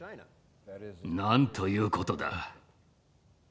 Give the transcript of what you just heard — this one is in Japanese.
なんということだ。